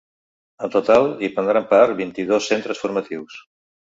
En total, hi prendran part vint-i-dos centres formatius.